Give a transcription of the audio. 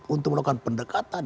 untuk melakukan pendekatan